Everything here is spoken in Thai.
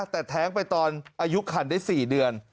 แต่แท้งไปตอนอายุคันได้๔เดือน